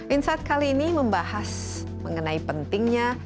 insight kali ini membahas mengenai pentingnya